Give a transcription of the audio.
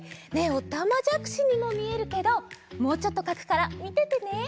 ねっおたまじゃくしにもみえるけどもうちょっとかくからみててね。